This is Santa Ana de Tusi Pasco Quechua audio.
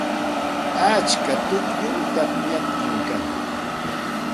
Atska tukllum tamyaptin kan.